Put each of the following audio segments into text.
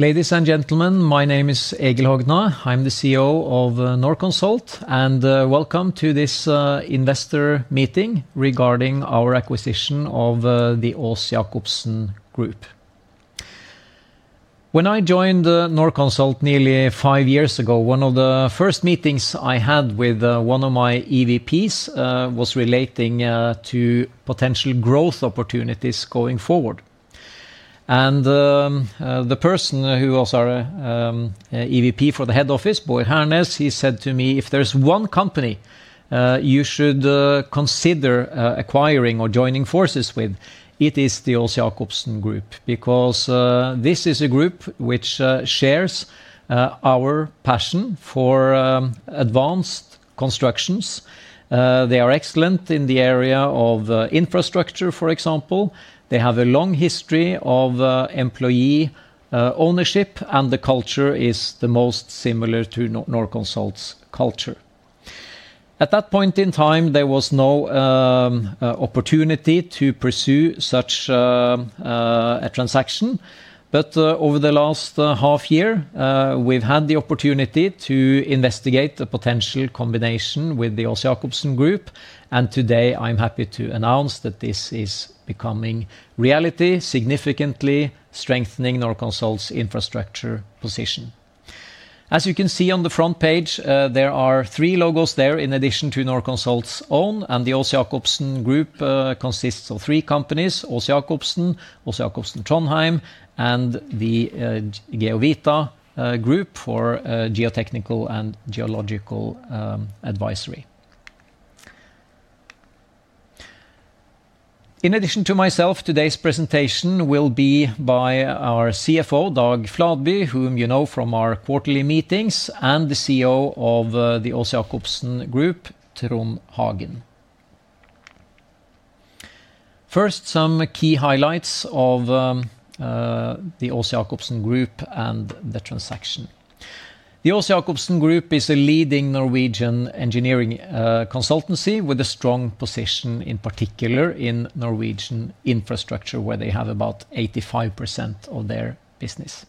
Ladies and gentlemen, my name is Egil Hogna. I'm the CEO of Norconsult, and welcome to this investor meeting regarding our acquisition of the Aas‑Jakobsen Group. When I joined Norconsult nearly five years ago, one of the first meetings I had with one of my EVPs was relating to potential growth opportunities going forward. The person who was our EVP for the head office, Bård Hernes, he said to me, "If there's one company you should consider acquiring or joining forces with, it is the Aas‑Jakobsen Group, because this is a group which shares our passion for advanced constructions. They are excellent in the area of infrastructure, for example. They have a long history of employee ownership, and the culture is the most similar to Norconsult's culture." At that point in time, there was no opportunity to pursue such a transaction. But over the last half year, we've had the opportunity to investigate a potential combination with the Aas‑Jakobsen Group. Today, I'm happy to announce that this is becoming reality, significantly strengthening Norconsult's infrastructure position. As you can see on the front page, there are three logos there in addition to Norconsult's own. The Aas‑Jakobsen Group consists of three companies: Aas‑Jakobsen, Aas‑Jakobsen Trondheim, and the Geovita Group for geotechnical and geological advisory. In addition to myself, today's presentation will be by our CFO, Dag Fladby, whom you know from our quarterly meetings, and the CEO of the Aas‑Jakobsen Group, Trond Hagen. First, some key highlights of the Aas‑Jakobsen Group and the transaction. The Aas‑Jakobsen Group is a leading Norwegian engineering consultancy with a strong position, in particular, in Norwegian infrastructure, where they have about 85% of their business.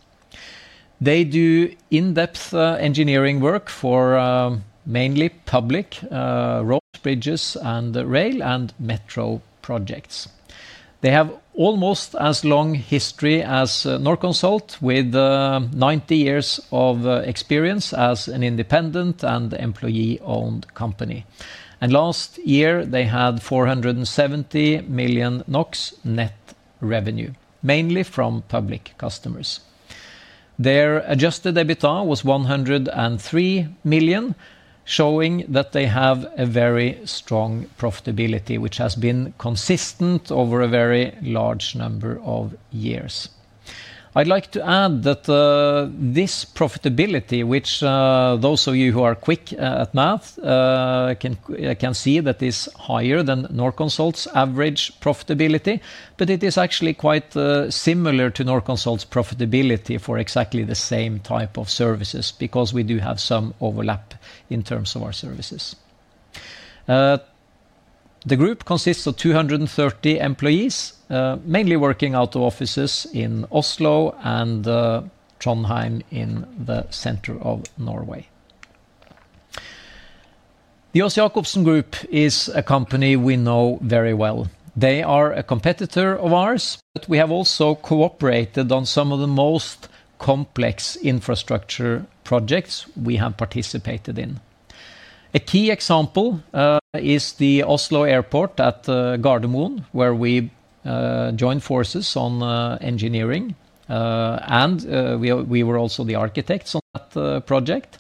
They do in-depth engineering work for mainly public roads, bridges, rail, and metro projects. They have almost as long a history as Norconsult, with 90 years of experience as an independent and employee-owned company. Last year, they had 470 million NOK net revenue, mainly from public customers. Their adjusted EBITDA was 103 million, showing that they have very strong profitability, which has been consistent over a very large number of years. I'd like to add that this profitability, which those of you who are quick at math can see, is higher than Norconsult's average profitability. But it is actually quite similar to Norconsult's profitability for exactly the same type of services, because we do have some overlap in terms of our services. The group consists of 230 employees, mainly working out of offices in Oslo and Trondheim in the center of Norway. The Aas‑Jakobsen Group is a company we know very well. They are a competitor of ours, but we have also cooperated on some of the most complex infrastructure projects we have participated in. A key example is the Oslo Airport at Gardermoen, where we joined forces on engineering. We were also the architects on that project.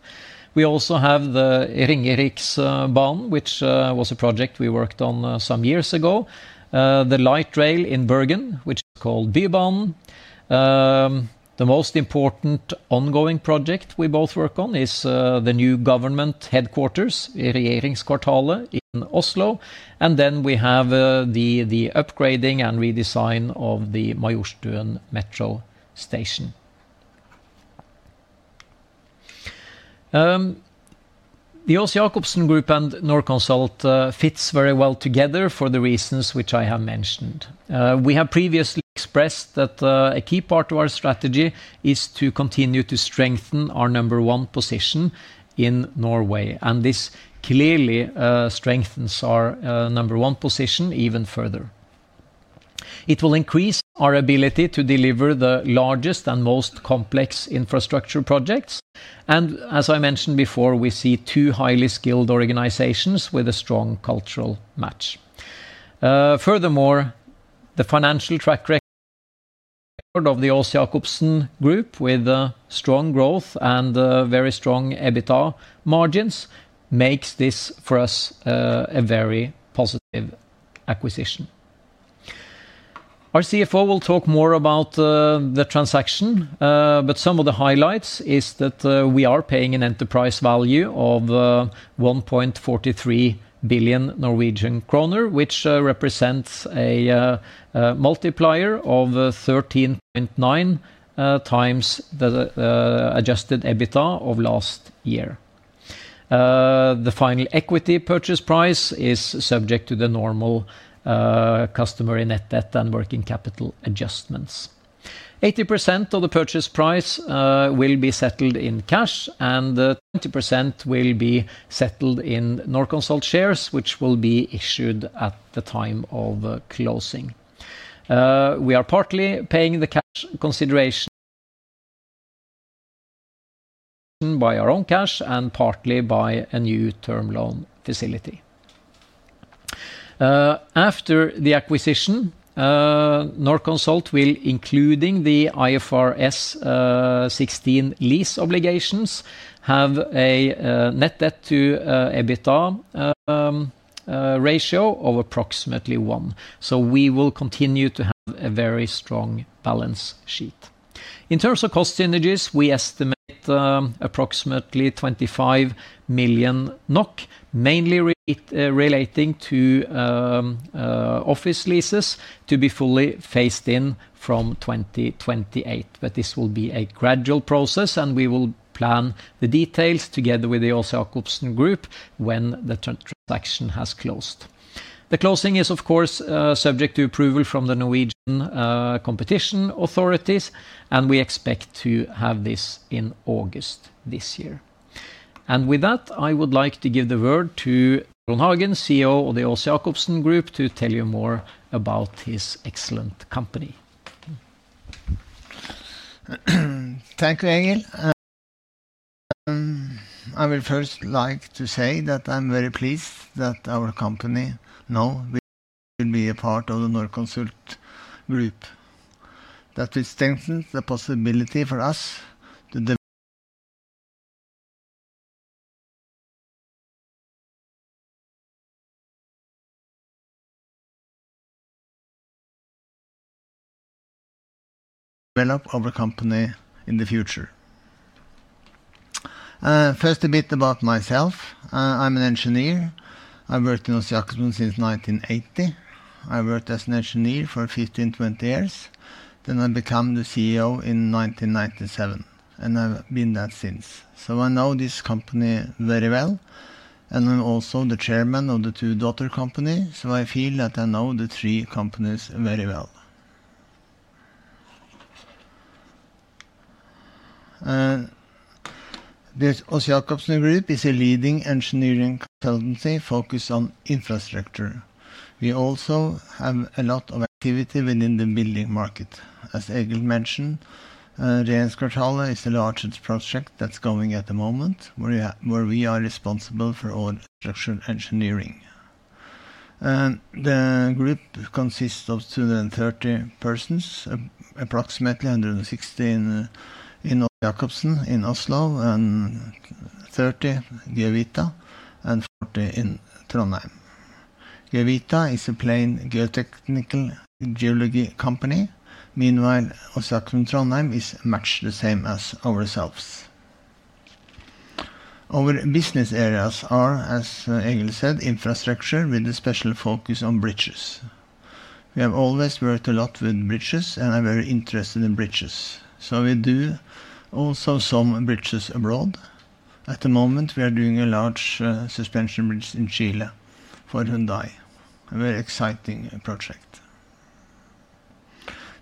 We also have the Ringeriksbanen, which was a project we worked on some years ago. The light rail in Bergen, which is called Bybanen. The most important ongoing project we both work on is the new government headquarters, Regjeringskvartalet, in Oslo. Then we have the upgrading and redesign of the Majorstuen metro station. The Aas‑Jakobsen Group and Norconsult fit very well together for the reasons which I have mentioned. We have previously expressed that a key part of our strategy is to continue to strengthen our number one position in Norway. This clearly strengthens our number one position even further. It will increase our ability to deliver the largest and most complex infrastructure projects. As I mentioned before, we see two highly skilled organizations with a strong cultural match. Furthermore, the financial track record of the Aas‑Jakobsen Group, with strong growth and very strong EBITDA margins, makes this for us a very positive acquisition. Our CFO will talk more about the transaction, but some of the highlights are that we are paying an enterprise value of 1.43 billion Norwegian kroner, which represents a multiplier of 13.9 times the adjusted EBITDA of last year. The final equity purchase price is subject to the normal customary net debt and working capital adjustments. 80% of the purchase price will be settled in cash, and 20% will be settled in Norconsult shares, which will be issued at the time of closing. We are partly paying the cash consideration by our own cash and partly by a new term loan facility. After the acquisition, Norconsult will, including the IFRS 16 lease obligations, have a net debt to EBITDA ratio of approximately 1. We will continue to have a very strong balance sheet. In terms of cost synergies, we estimate approximately 25 million NOK, mainly relating to office leases, to be fully phased in from 2028. This will be a gradual process, and we will plan the details together with the Aas‑Jakobsen Group when the transaction has closed. The closing is, of course, subject to approval from the Norwegian competition authorities, and we expect to have this in August this year. And with that, I would like to give the word to Trond Hagen, CEO of the Aas‑Jakobsen Group, to tell you more about his excellent company. Thank you, Egil. I would first like to say that I'm very pleased that our company now will be a part of the Norconsult Group. That strengthens the possibility for us to develop our company in the future. First, a bit about myself. I'm an engineer. I've worked in Aas‑Jakobsen since 1980. I worked as an engineer for 15-20 years, then I became the CEO in 1997, and I've been there since. So I know this company very well. I'm also the chairman of the two daughter companies, so I feel that I know the three companies very well. The Aas‑Jakobsen Group is a leading engineering consultancy focused on infrastructure. We also have a lot of activity within the building market. As Egil mentioned, Regjeringskvartalet is a large project that's going on at the moment, where we are responsible for all structural engineering. The group consists of 230 persons, approximately 160 in Aas‑Jakobsen in Oslo, 30 in Geovita, and 40 in Trondheim. Geovita is a plain geotechnical geology company. Meanwhile, Aas‑Jakobsen Trondheim is much the same as ourselves. Our business areas are, as Egil said, infrastructure with a special focus on bridges. We have always worked a lot with bridges, and I'm very interested in bridges. So we do also some bridges abroad. At the moment, we are doing a large suspension bridge in Chile for Hyundai. A very exciting project.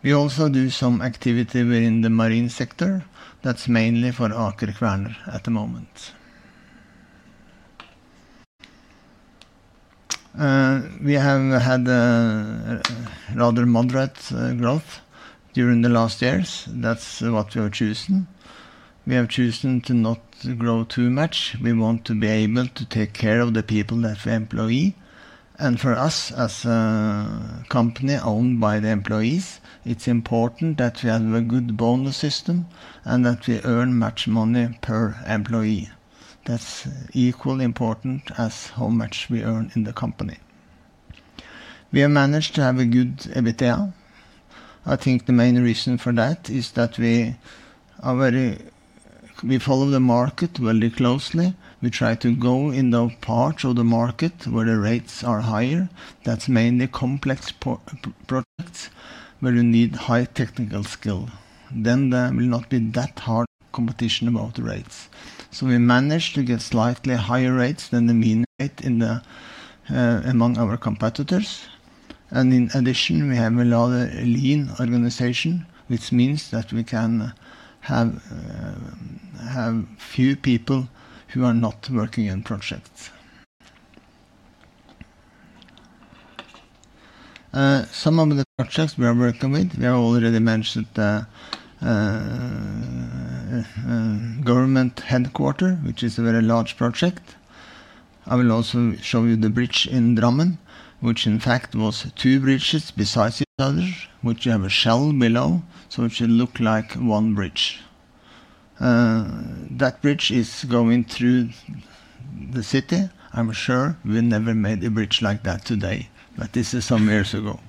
We also do some activity within the marine sector. That's mainly for Aker Kvaerner at the moment. We have had rather moderate growth during the last years. That's what we are choosing. We are choosing to not grow too much. We want to be able to take care of the people that we employee. For us, as a company owned by the employees, it's important that we have a good bonus system and that we earn much money per employee. That's equally important as how much we earn in the company. We have managed to have a good EBITDA. I think the main reason for that is that we follow the market very closely. We try to go in those parts of the market where the rates are higher. That's mainly complex projects where you need high technical skill. Then there will not be that hard competition about rates. We managed to get slightly higher rates than the mean rate among our competitors. In addition, we have a rather lean organization, which means that we can have few people who are not working on projects. Some of the projects we are working with, we have already mentioned the government headquarters, which is a very large project. I will also show you the bridge in Drammen, which in fact was two bridges beside each other, which you have a shell below, so it should look like one bridge. That bridge is going through the city. I'm sure we never made a bridge like that today, but this is some years ago.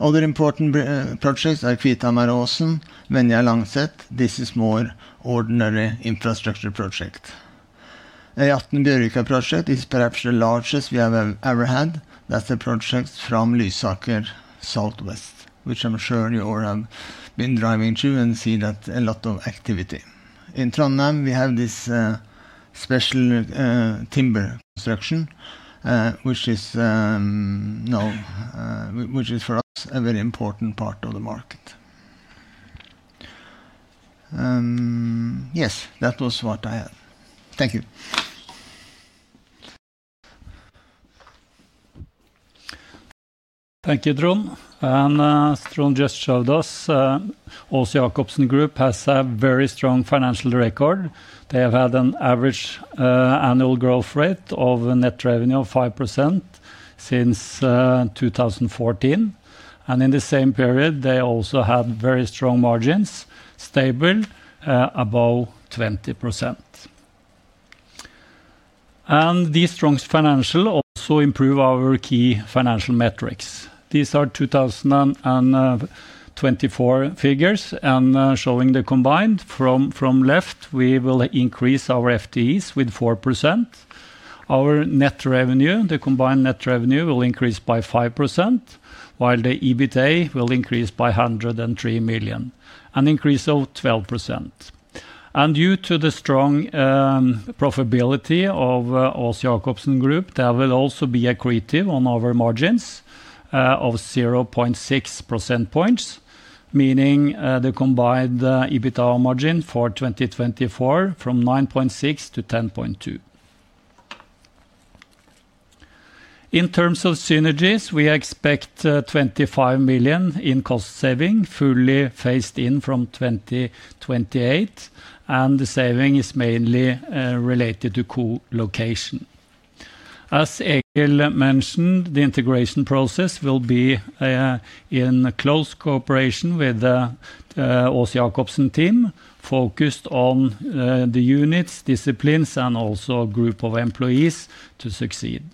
Other important projects are Kvitsøy, Damåsen, Venjar-Langset. This is more ordinary infrastructure project. The E18 Bjørvikaprosjekt project is perhaps the largest we have ever had. That's a project from Lysaker Southwest, which I'm sure you all have been driving to and seen a lot of activity. In Trondheim, we have this special timber construction, which is for us a very important part of the market. Yes, that was what I had. Thank you. Thank you, Trond. As Trond just showed us, Aas‑Jakobsen Group has a very strong financial record. They have had an average annual growth rate of net revenue of 5% since 2014. In the same period, they also had very strong margins, stable, above 20%. These strong financials also improve our key financial metrics. These are 2024 figures, showing the combined from left, we will increase our FTEs with 4%. Our net revenue, the combined net revenue, will increase by 5%, while the EBITDA will increase by 103 million, an increase of 12%. Due to the strong profitability of Aas‑Jakobsen Group, there will also be accretive on our margins of 0.6 percentage points, meaning the combined EBITDA margin for 2024 from 9.6%-10.2%. In terms of synergies, we expect 25 million in cost saving, fully phased in from 2028. The saving is mainly related to co-location. As Egil mentioned, the integration process will be in close cooperation with the Aas‑Jakobsen team, focused on the units, disciplines, and also a group of employees to succeed.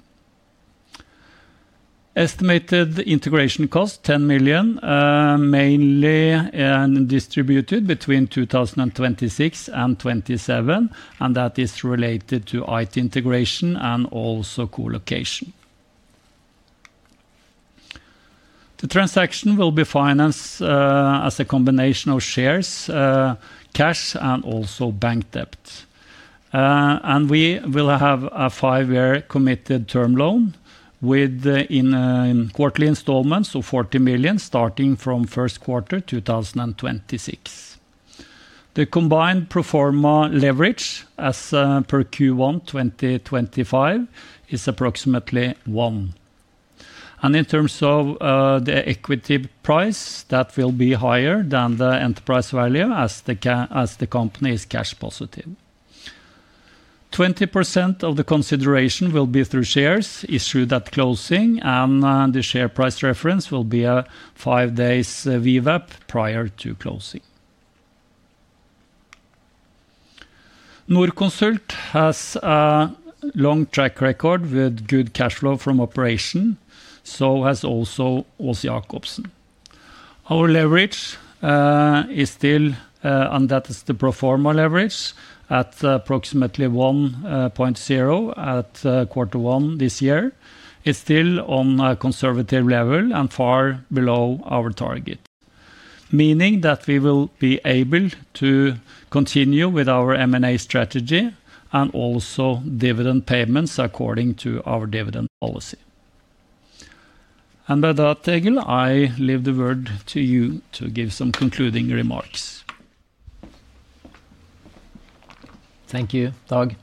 Estimated integration cost, 10 million, mainly distributed between 2026 and 2027. That is related to IT integration and also co-location. The transaction will be financed as a combination of shares, cash, and also bank debt. We will have a five-year committed term loan with quarterly installments of 40 million, starting from first quarter 2026. The combined proforma leverage as per Q1 2025 is approximately 1. In terms of the equity price, that will be higher than the enterprise value as the company is cash positive. 20% of the consideration will be through shares, issued at closing, and the share price reference will be a five-day VWAP prior to closing. Norconsult has a long track record with good cash flow from operations, so has also Aas‑Jakobsen. Our leverage is still, and that is the proforma leverage, at approximately 1.0 at quarter one this year, is still on a conservative level and far below our target, meaning that we will be able to continue with our M&A strategy and also dividend payments according to our dividend policy. And with that, Egil, I leave the word to you to give some concluding remarks. Thank you, Dag.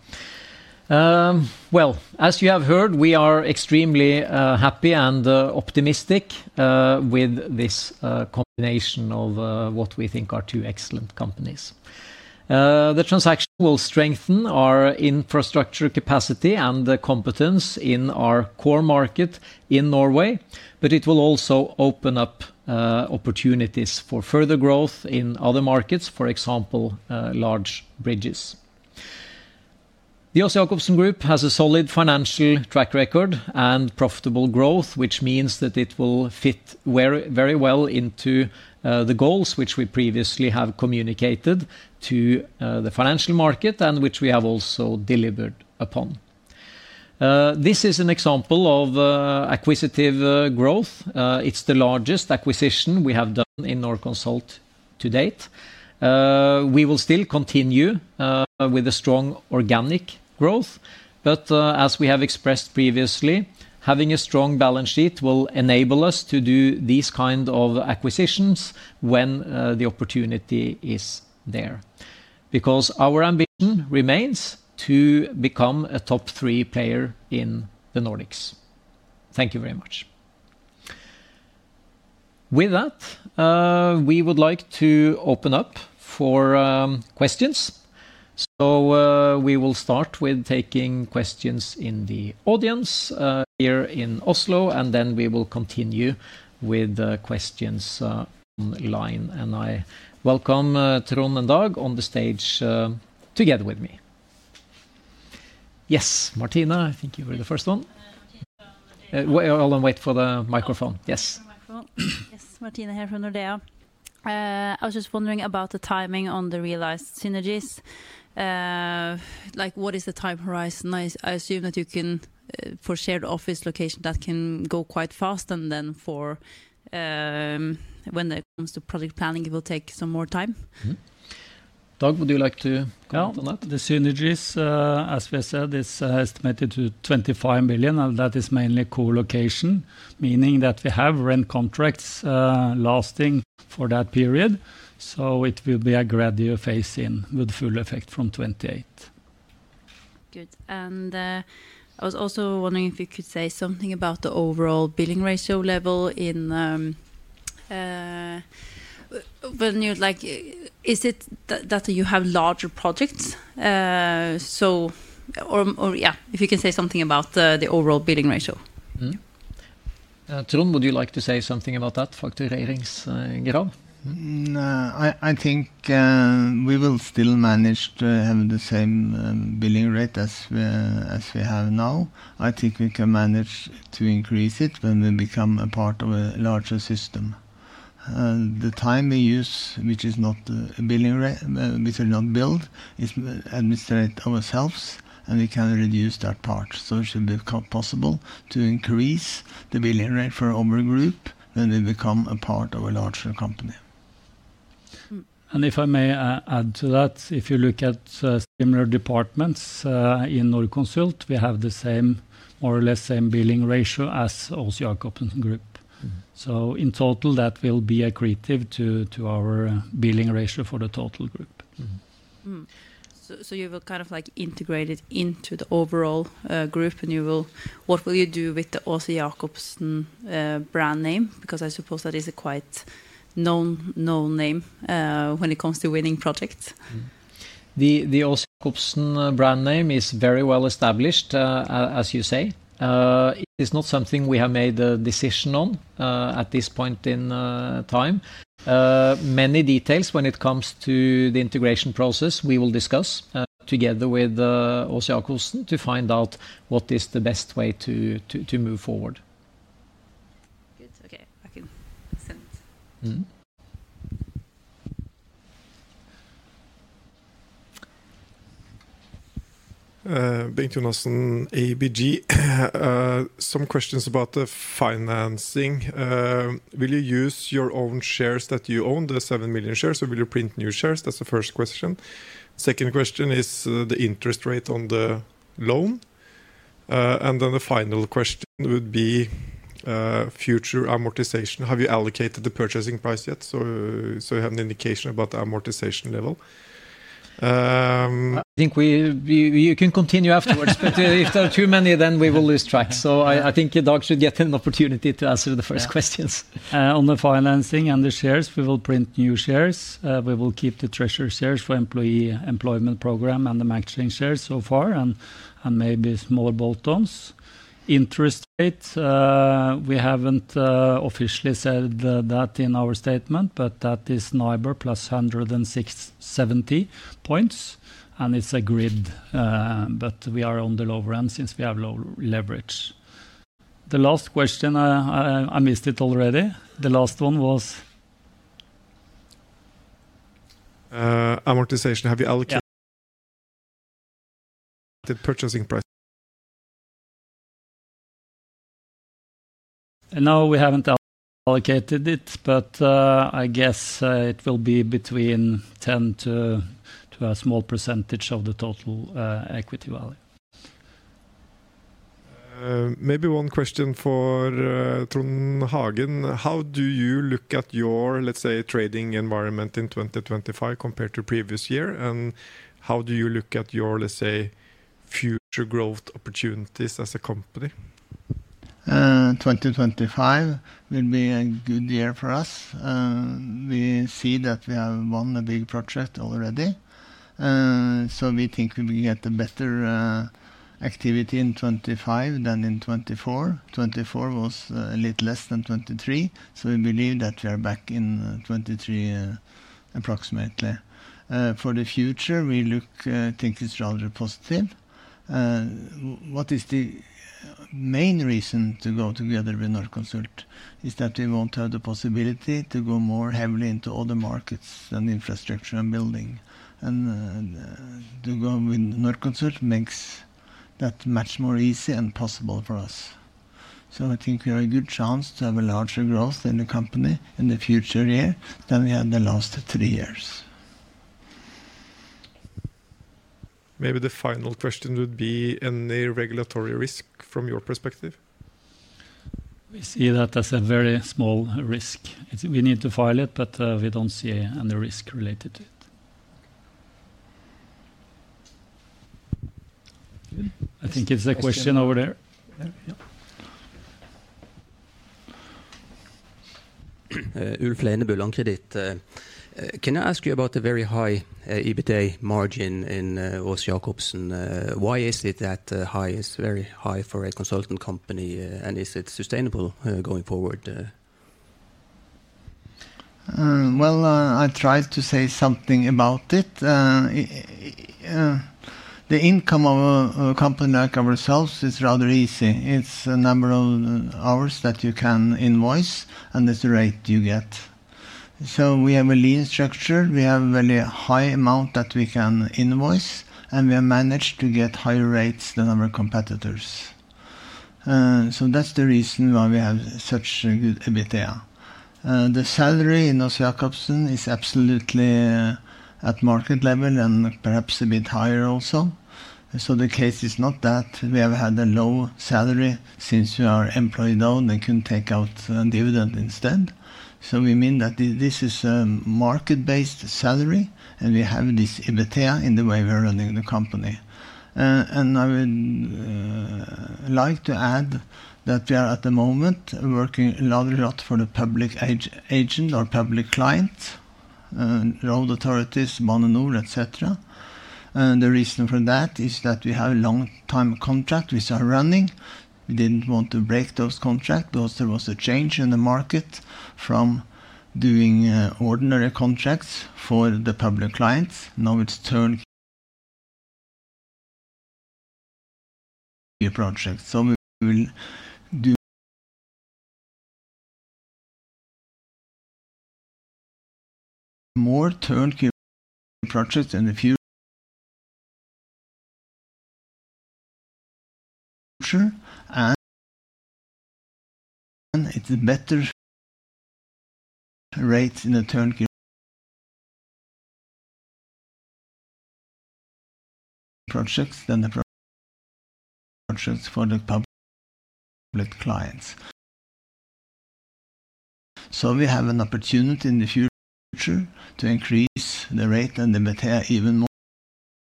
Well, as you have heard, we are extremely happy and optimistic with this combination of what we think are two excellent companies. The transaction will strengthen our infrastructure capacity and competence in our core market in Norway, but it will also open up opportunities for further growth in other markets, for example, large bridges. The Aas‑Jakobsen Group has a solid financial track record and profitable growth, which means that it will fit very well into the goals which we previously have communicated to the financial market and which we have also delivered upon. This is an example of acquisitive growth. It's the largest acquisition we have done in Norconsult to date. We will still continue with a strong organic growth, but as we have expressed previously, having a strong balance sheet will enable us to do these kinds of acquisitions when the opportunity is there, because our ambition remains to become a top three player in the Nordics. Thank you very much. With that, we would like to open up for questions. We will start with taking questions in the audience here in Oslo, and then we will continue with questions online. I welcome Trond and Dag on the stage together with me. Yes, Martine, I think you were the first one. I'll wait for the microphone. Yes. Yes, Martine here from Nordea. I was just wondering about the timing on the realized synergies. Like, what is the time horizon? I assume that you can for shared office location, that can go quite fast, and then for when it comes to project planning, it will take some more time. Dag, would you like to comment on that? The synergies, as we said, are estimated to 25 million, and that is mainly co-location, meaning that we have rent contracts lasting for that period. So it will be a gradual phase in with full effect from 2028. Good. I was also wondering if you could say something about the overall billing ratio level. Is it that you have larger projects, or yeah, if you can say something about the overall billing ratio. Trond, would you like to say something about that factorization graph? I think we will still manage to have the same billing rate as we have now. I think we can manage to increase it when we become a part of a larger system. The time we use, which is not a billing rate, which we will not bill, is administrative ourselves, and we can reduce that part. So it should be possible to increase the billing rate for our group when we become a part of a larger company. If I may add to that, if you look at similar departments in Norconsult, we have the same, more or less same billing ratio as Aas‑Jakobsen Group. In total, that will be accretive to our billing ratio for the total group. You will kind of integrate it into the overall group, and what will you do with the Aas-Jakobsen brand name? Because I suppose that is a quite known name when it comes to winning projects. The Aas‑Jakobsen brand name is very well established, as you say. It is not something we have made a decision on at this point in time. Many details when it comes to the integration process, we will discuss together with Aas‑Jakobsen to find out what is the best way to move forward. Good. Okay, I can send. Bengt Jonassen, ABG. Some questions about the financing. Will you use your own shares that you own, the 7 million shares, or will you print new shares? That's the first question. Second question is the interest rate on the loan. The final question would be future amortization. Have you allocated the purchasing price yet? So you have an indication about the amortization level. I think we can continue afterwards, but if there are too many, then we will lose track. So I think Dag should get an opportunity to answer the first questions. On the financing and the shares, we will print new shares. We will keep the treasury shares for employee employment program and the existing shares so far and maybe small bolt-ons. Interest rate, we haven't officially said that in our statement, but that is NIBOR plus 170 basis points. It's a grid, but we are on the lower end since we have low leverage. The last question, I missed it already. The last one was Amortization, have you allocated the purchase price? No, we haven't allocated it, but I guess it will be between 10% to a small percentage of the total equity value. Maybe one question for Trond Hagen. How do you look at your trading environment in 2025 compared to previous year? How do you look at your future growth opportunities as a company? 2025 will be a good year for us. We see that we have one big project already, so we think we will get better activity in 2025 than in 2024. 2024 was a little less than 2023, so we believe that we are back in 2023 approximately. For the future, we look, I think it's rather positive. What is the main reason to go together with Norconsult? It is that we want to have the possibility to go more heavily into other markets than infrastructure and building, and to go with Norconsult makes that much more easy and possible for us. I think we have a good chance to have larger growth in the company in the future years than we had the last three years. Maybe the final question would be any regulatory risk from your perspective? We see that as a very small risk. We need to file it, but we don't see any risk related to it. I think it's a question over there. Ulf Lehne, Bullund Credit. Can I ask you about the very high EBITDA margin in Aas‑Jakobsen? Why is it that high? It's very high for a consultant company. And is it sustainable going forward? I tried to say something about it. The income of a company like ourselves is rather easy. It's a number of hours that you can invoice, and it's the rate you get. So we have a lean structure. We have a very high amount that we can invoice, and we have managed to get higher rates than our competitors. So that's the reason why we have such a good EBITDA. The salary in Aas‑Jakobsen is absolutely at market level and perhaps a bit higher also. So the case is not that we have had a low salary since we are employee-owned and couldn't take out dividend instead. We mean that this is a market-based salary, and we have this EBITDA in the way we are running the company. I would like to add that we are at the moment working rather a lot for the public agent or public client, road authorities, Bane NOR, etc. The reason for that is that we have a long-time contract we are running. We didn't want to break those contracts because there was a change in the market from doing ordinary contracts for the public clients. Now it's turned to projects. So we will do more turnkey projects in the future, and it's a better rate in the turnkey projects than the projects for the public clients. So we have an opportunity in the future to increase the rate and EBITDA even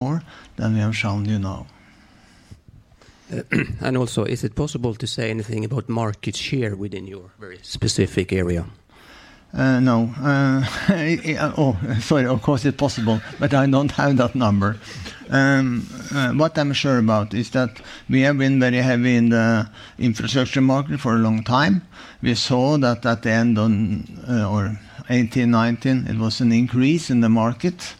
more than we have shown you now. And also, is it possible to say anything about market share within your very specific area? No. Sorry, of course it's possible, but I don't have that number. What I'm sure about is that we have been very heavy in the infrastructure market for a long time. We saw that at the end of 2018-2019, it was an increase in the market,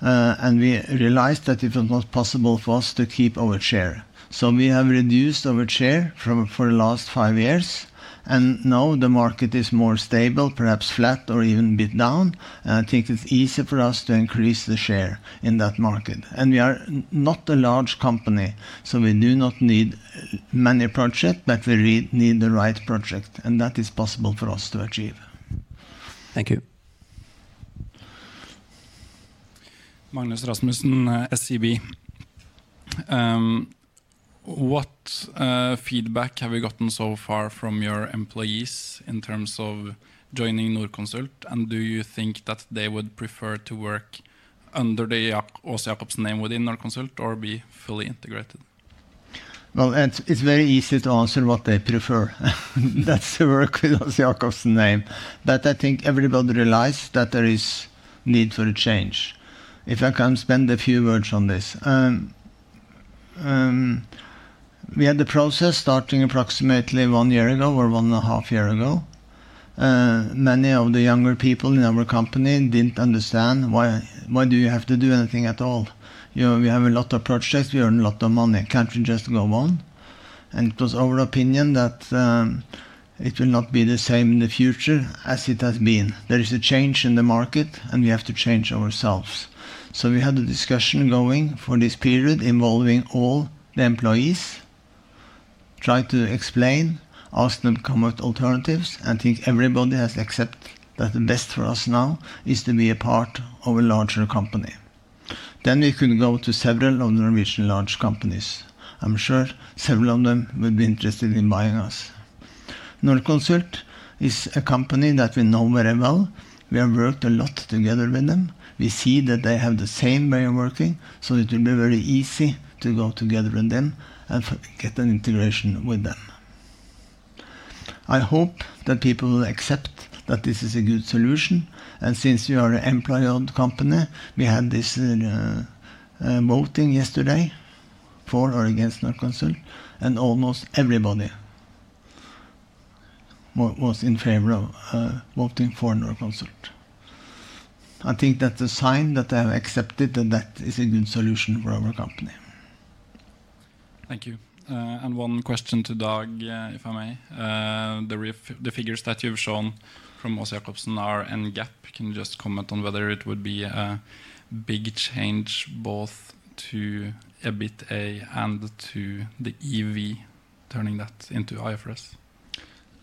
and we realized that it was not possible for us to keep our share. So we have reduced our share for the last five years, and now the market is more stable, perhaps flat or even a bit down. I think it's easy for us to increase the share in that market. We are not a large company, so we do not need many projects, but we need the right project, and that is possible for us to achieve. Thank you. Magnus Rasmussen, SEB. What feedback have you gotten so far from your employees in terms of joining Norconsult? And do you think that they would prefer to work under the Aas‑Jakobsen name within Norconsult or be fully integrated? Well, it's very easy to answer what they prefer. That's to work with Aas-Jakobsen's name. But I think everybody realizes that there is a need for a change. If I can spend a few words on this, we had the process starting approximately one year ago or one and a half years ago. Many of the younger people in our company didn't understand why do you have to do anything at all. We have a lot of projects. We earn a lot of money. Can't we just go on? And it was our opinion that it will not be the same in the future as it has been. There is a change in the market, and we have to change ourselves. We had a discussion going for this period involving all the employees, trying to explain, ask them to come up with alternatives, and think everybody has accepted that the best for us now is to be a part of a larger company. Then we could go to several of the Norwegian large companies. I'm sure several of them would be interested in buying us. Norconsult is a company that we know very well. We have worked a lot together with them. We see that they have the same way of working, it will be very easy to go together with them and get an integration with them. I hope that people will accept that this is a good solution. Since we are an employee-owned company, we had this voting yesterday for or against Norconsult, and almost everybody was in favor of voting for Norconsult. I think that's a sign that they have accepted that that is a good solution for our company. Thank you. One question to Dag, if I may. The figures that you've shown from Aas‑Jakobsen are in GAAP. Can you just comment on whether it would be a big change both to EBITDA and to the EV, turning that into IFRS?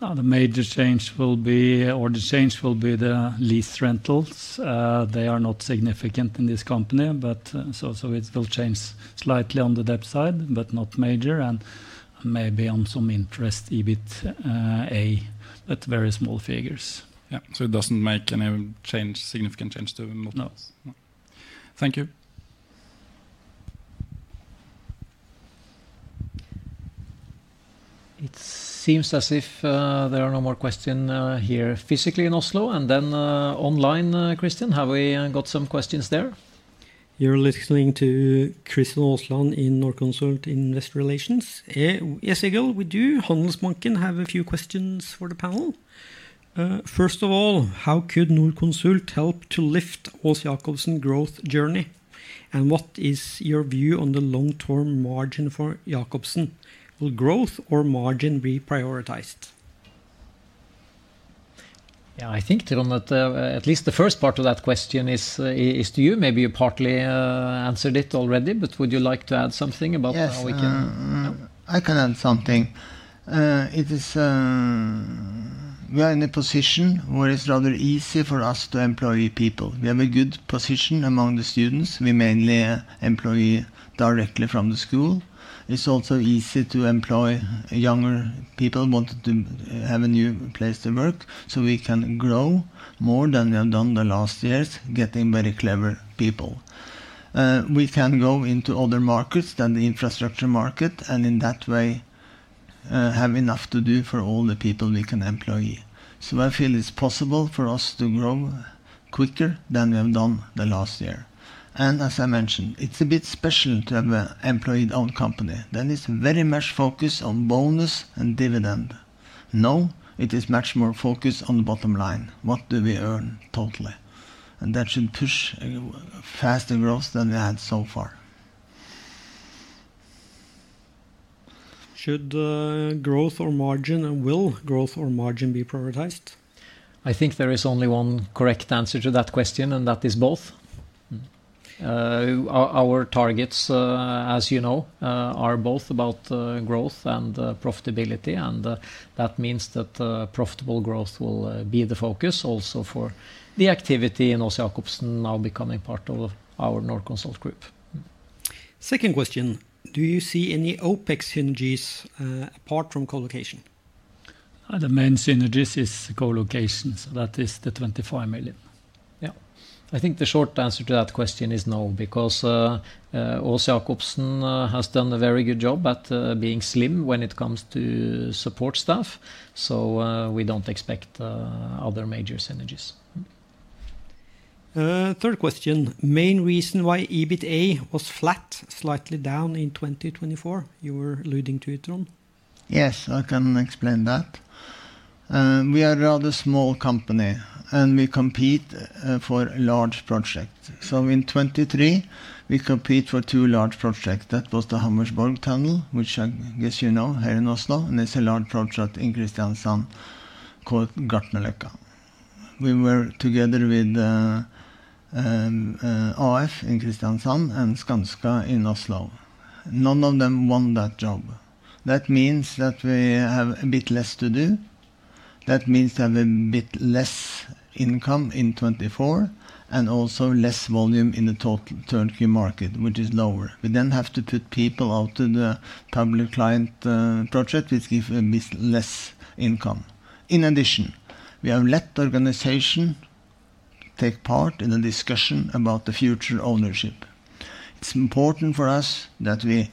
The major change will be, or the change will be the lease rentals. They are not significant in this company, but so it will change slightly on the debt side, but not major, and maybe on some interest, EBITDA, but very small figures. Yeah, so it doesn't make any significant change to the multiple. No. Thank you. It seems as if there are no more questions here physically in also and then online, Christian. Have we got some questions there? You're listening to Christian Aasland in Norconsult Investor Relations. Yes, Egil, we do. Handelsbanken have a few questions for the panel. First of all, how could Norconsult help to lift Aas‑Jakobsen's growth journey? And what is your view on the long-term margin for Jakobsen? Will growth or margin be prioritized? Yeah, I think, Trond, that at least the first part of that question is to you. Maybe you partly answered it already, but would you like to add something about how we can? I can add something. We are in a position where it's rather easy for us to employ people. We have a good position among the students. We mainly employ directly from the school. It's also easy to employ younger people who want to have a new place to work, so we can grow more than we have done the last years, getting very clever people. We can go into other markets than the infrastructure market, and in that way, have enough to do for all the people we can employ. So I feel it's possible for us to grow quicker than we have done the last year. As I mentioned, it's a bit special to have an employee-owned company. Then it's very much focused on bonus and dividend. Now it is much more focused on the bottom line. What do we earn totally? That should push faster growth than we had so far. Should growth or margin, and will growth or margin be prioritized? I think there is only one correct answer to that question, and that is both. Our targets, as you know, are both about growth and profitability. That means that profitable growth will be the focus also for the activity in Aas‑Jakobsen now becoming part of our Norconsult group. Second question. Do you see any Opex synergies apart from colocation? The main synergies is colocation. That is the 25 million. Yeah, I think the short answer to that question is no, because Aas‑Jakobsen has done a very good job at being slim when it comes to support staff. We don't expect other major synergies. Third question. Main reason why EBITDA was flat, slightly down in 2024? You were alluding to it, Trond. Yes, I can explain that. We are a rather small company, and we compete for large projects. In 2023, we competed for two large projects. That was the Hammersborg Tunnel, which I guess you know here in Oslo, and it's a large project in Kristiansand, called Gartnerløkka. We were together with AF in Kristiansand and Skanska in Oslo. None of them won that job. That means that we have a bit less to do. That means we have a bit less income in 2024, and also less volume in the total turnkey market, which is lower. We then have to put people out to the public client project, which gives a bit less income. In addition, we have let the organization take part in the discussion about the future ownership. It's important for us that we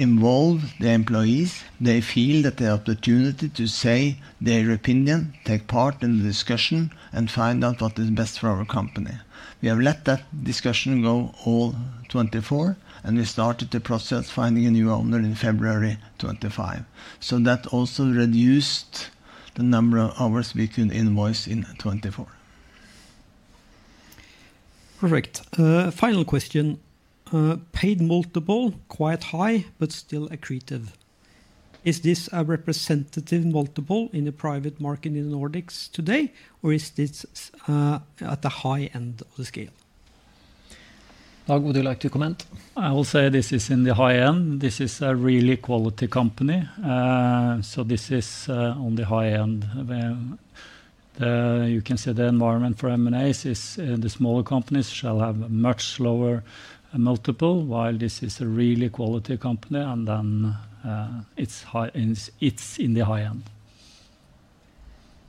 involve the employees. They feel that they have the opportunity to say their opinion, take part in the discussion, and find out what is best for our company. We have let that discussion go all 2024, and we started the process of finding a new owner in February 2025. That also reduced the number of hours we could invoice in 2024. Perfect. Final question. Paid multiple quite high, but still accretive. Is this a representative multiple in the private market in the Nordics today, or is this at the high end of the scale? Dag, would you like to comment? I will say this is in the high end. This is a really quality company. So this is on the high end. You can see the environment for M&As is the smaller companies shall have a much slower multiple, while this is a really quality company, and then it's in the high end.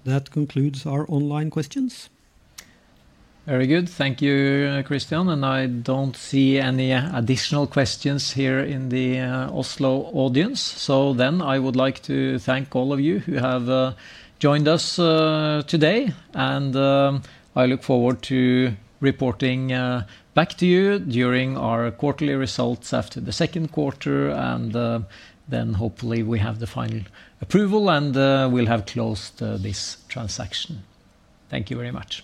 That concludes our online questions. Very good. Thank you, Christian. I don't see any additional questions here in the Oslo audience. So then I would like to thank all of you who have joined us today. I look forward to reporting back to you during our quarterly results after the second quarter. Hopefully we have the final approval, and we'll have closed this transaction. Thank you very much.